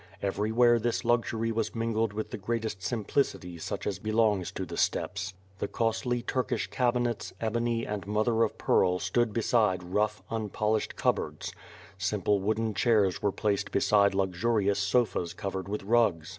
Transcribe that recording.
Everywhere this luxury was mingled with the greatest simplicity such as belongs to the steppes. The costly Turkish cabinets, ebony, and mother of pearl stood beside rough, unpolished cup WITH FIRE AND SWORD. ^^ boards; simple wooden chairs were placed beside luxurious sofas covered with rugs.